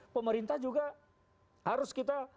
pemerintah juga harus kita